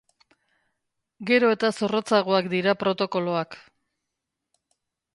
Gero eta zorrotzagoak dira protokoloak.